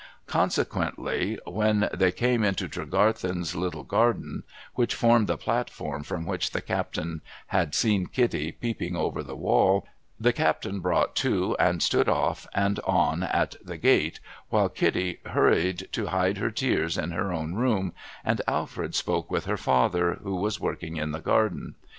Consequently, when they came into Tregarthen's little garden, — which formed the platform from which the captain had seen Kitty peeping over the wall,^ — the captain brought to, and stood off and on at the gate, while Kitty hurried to hide her tears in her own room, and Alfred spoke with her father, who was working in the garden.